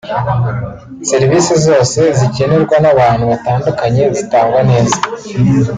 serivisi zose zikenerwa n’abantu batandukanye zitangwa neza